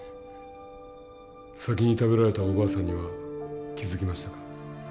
先に食べられたおばあさんには気付きましたか？